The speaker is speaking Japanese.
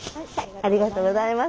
ありがとうございます。